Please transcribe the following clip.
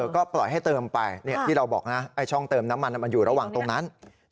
ก็ปล่อยให้เติมไปที่เราบอกนะไอ้ช่องเติมน้ำมันมันอยู่ระหว่างตรงนั้น